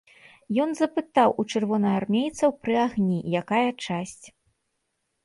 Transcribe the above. Ён запытаў у чырвонаармейцаў пры агні, якая часць.